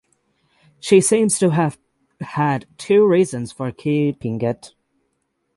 She seems to have had two reasons for keeping it.